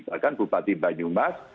bahkan bupati banyumas